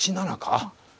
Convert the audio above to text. あっ！